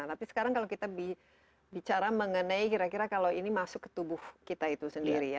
tapi sekarang kalau kita bicara mengenai kira kira kalau ini masuk ke tubuh kita itu sendiri ya